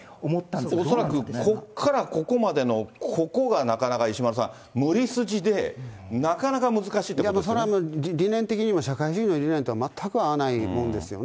だから恐らくここからここまでのここがなかなか石丸さん、無理筋で、それはもう、理念的にも社会主義の理念と全く合わないもんですよね。